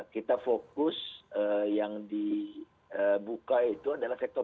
kita fokus yang dibuka itu adalah sektor